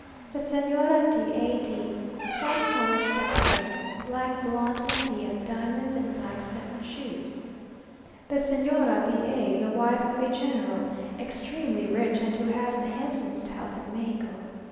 The Señora de A d. Fawn coloured satin dress, black blonde mantilla, diamonds, and black satin shoes. The Señora B a, the wife of a General, extremely rich, and who has the handsomest house in Mexico.